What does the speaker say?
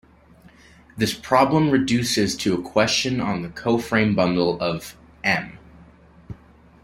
This problem reduces to a question on the coframe bundle of "M".